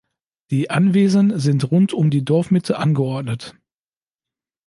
Die Anwesen sind rund um die Dorfmitte angeordnet.